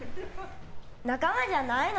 仲間じゃないの？